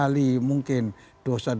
kemudian dia mengenali mungkin dosa dosa dirinya